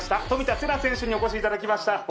冨田せな選手にお越しいただきました。